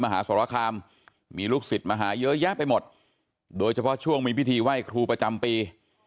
ไม่ใช่ว่าแม่ไม่ให้เลย